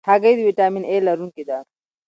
هګۍ د ویټامین A لرونکې ده.